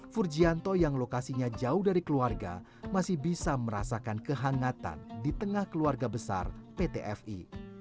furgianto yang lokasinya jauh dari keluarga masih bisa merasakan kehangatan di tengah keluarga besar pt fi